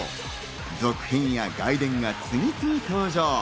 続編や外伝が次々登場。